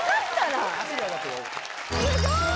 ・すごい！